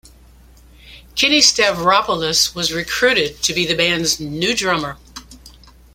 Kenny Stavropoulos was recruited to be the band's new drummer.